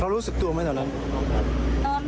รู้สึกตัวไหมตอนนั้น